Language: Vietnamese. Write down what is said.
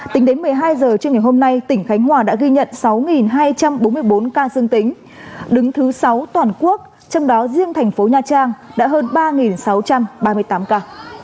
tính đến một mươi hai h trưa ngày hôm nay tỉnh khánh hòa đã ghi nhận sáu hai trăm bốn mươi bốn ca dương tính đứng thứ sáu toàn quốc trong đó riêng thành phố nha trang đã hơn ba sáu trăm ba mươi tám ca